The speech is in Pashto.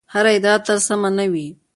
هره ادعا تل سمه نه وي.